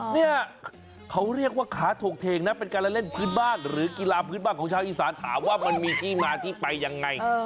เนี่ยเขาเรียกว่าขาถกเทงนะเป็นการละเล่นพื้นบ้านหรือกีฬาพื้นบ้านของชาวอีสานถามว่ามันมีที่มาที่ไปยังไง